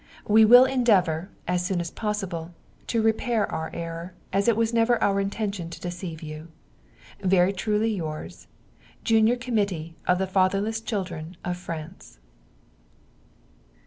We will endeavor, as soon as possible, to repair our error, as it was never our intention to deceive you. Very truly yours. Junior Committee of the Fatherless Children of France.